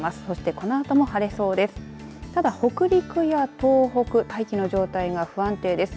そして、このあとも晴れそうです。